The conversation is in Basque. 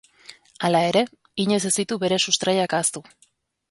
Hala ere, inoiz ez ditu bere sustraiak ahaztu.